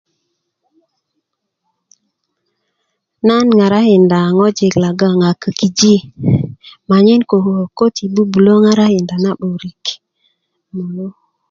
nan ŋarakinda ŋojik logon kikiji manyen koko köti bubulö ŋarakinda na 'börik